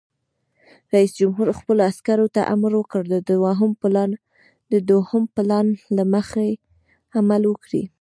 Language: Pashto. رئیس جمهور خپلو عسکرو ته امر وکړ؛ د دوهم پلان له مخې عمل وکړئ!